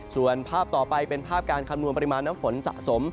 ส่วนภาพต่อไปเป็นภาพการคำนวณปริมาณน้ำฝนสะสม